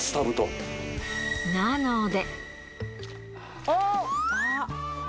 なので。